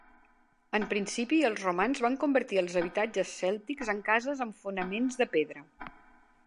En principi, els romans van convertir els habitatges cèltics en cases amb fonaments de pedra.